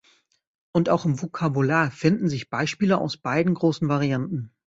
Und auch im Vokabular finden sich Beispiele aus beiden großen Varianten.